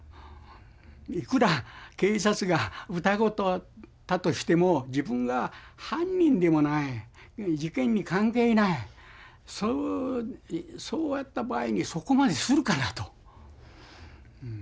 いくら警察が疑うたとしても自分が犯人でもない事件に関係ないそうやった場合にそこまでするかなと。